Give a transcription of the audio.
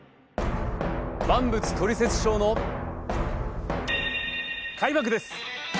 「万物トリセツショー」の開幕です。